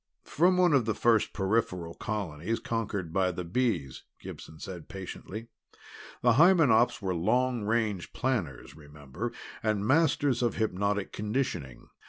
"From one of the first peripheral colonies conquered by the Bees," Gibson said patiently. "The Hymenops were long range planners, remember, and masters of hypnotic conditioning.